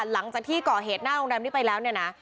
หลังจากที่ก่อเหตุหน้าโรงแรมนี้ไปแล้วเนี่ยนะ